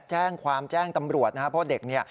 แจ้งความแจ้งตำรวจนะครับเพราะเด็กเนี่ย